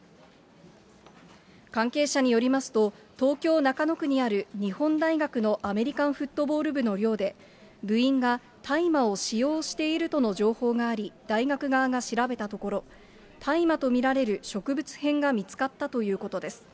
関係者によりますと、東京・中野区にある日本大学のアメリカンフットボール部の寮で、部員が大麻を使用しているとの情報があり、大学側が調べたところ、大麻と見られる植物片が見つかったということです。